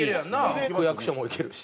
区役所も行けるし。